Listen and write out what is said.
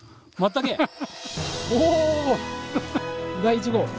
第１号。